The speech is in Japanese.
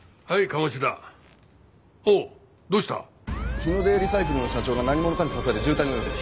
日の出リサイクルの社長が何者かに刺され重体のようです。